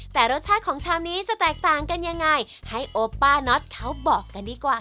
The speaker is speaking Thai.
แต่รสชาติของชามนี้จะแตกต่างกันยังไงให้โอป้าน็อตเขาบอกกันดีกว่า